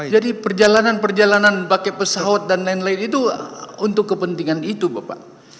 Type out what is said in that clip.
perjalanan perjalanan pakai pesawat dan lain lain itu untuk kepentingan itu bapak